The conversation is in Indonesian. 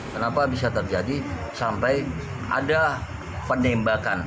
kenapa bisa terjadi sampai ada penembakan